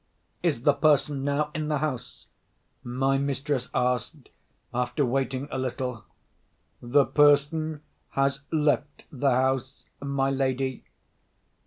"Is the person now in the house?" my mistress asked, after waiting a little. "The person has left the house, my lady."